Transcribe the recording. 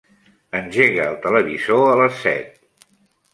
Engega el televisor a les set.